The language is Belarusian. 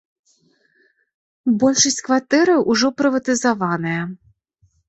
Большасць кватэраў ужо прыватызаваная.